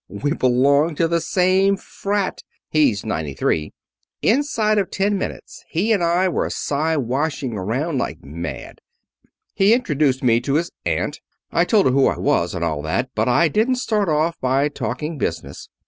We belong to the same frat! He's '93. Inside of ten minutes he and I were Si washing around like mad. He introduced me to his aunt. I told her who I was, and all that. But I didn't start off by talking business.